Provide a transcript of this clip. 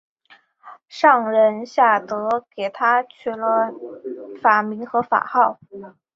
上仁下德给他取了法名和法号。